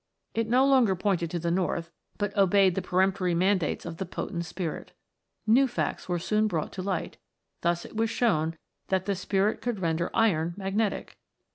It no longer pointed to the north, but obeyed the peremptory mandates of the potent Spirit. New facts were soon brought to light; thus it was shown that the Spirit could render iron magnetic.